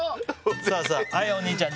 さあさあはいお兄ちゃんじゃあ